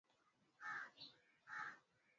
viazi lishe vyako sasa kipo tayari